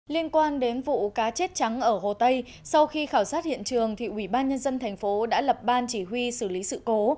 liên quan đến vụ cá chết trắng ở hồ tây sau khi khảo sát hiện trường ủy ban nhân dân thành phố đã lập ban chỉ huy xử lý sự cố